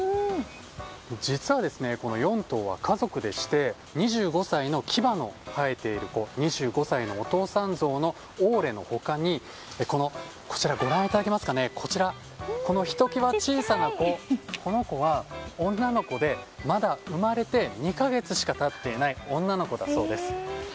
実は、この４頭は家族でして牙の生えている２５歳のお父さんゾウのオーレの他にこちら、ひときわ小さな子この子は、女の子でまだ生まれて２か月しか経っていない女の子だそうです。